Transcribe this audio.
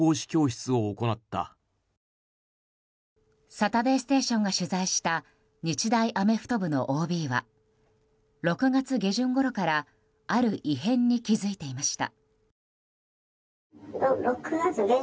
「サタデーステーション」が取材した日大アメフト部のＯＢは６月下旬ごろからある異変に気付いていました。